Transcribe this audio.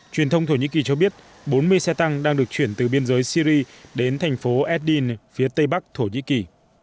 truyền thông thổ nhĩ kỳ cho biết bốn mươi xe tăng đang được chuyển từ biên giới syri đến thành phố edin phía tây bắc thổ nhĩ kỳ